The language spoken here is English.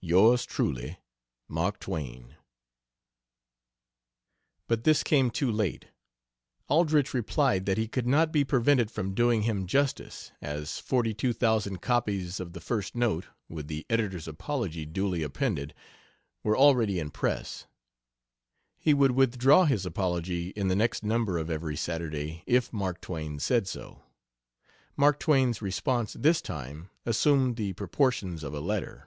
Yrs. Truly MARK TWAIN. But this came too late. Aldrich replied that he could not be prevented from doing him justice, as forty two thousand copies of the first note, with the editor's apology duly appended, were already in press. He would withdraw his apology in the next number of Every Saturday, if Mark Twain said so. Mark Twain's response this time assumed the proportions of a letter.